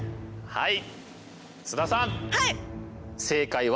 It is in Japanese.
はい。